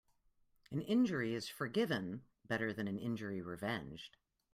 An injury is forgiven better than an injury revenged.